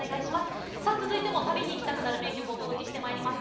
続いても旅に行きたくなる名曲をお届けしてまいります。